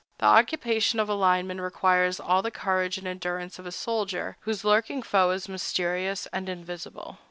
The occupation of a lineman requires all the courage and endurance of a soldier, whose lurking foe is mysterious and invisible.